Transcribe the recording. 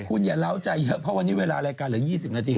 คุณอย่าเล้าใจเยอะเพราะวันนี้เวลารายการเหลือ๒๐นาที